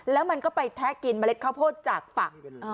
แล้วมันก็ไปแทะกินเมล็ดข้าวโพดจากฝัก